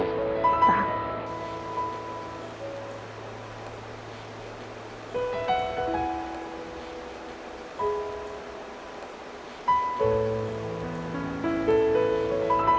ไป